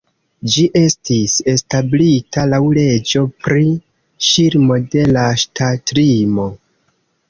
Ĝi estis establita laŭ leĝo pri ŝirmo de la ŝtatlimo.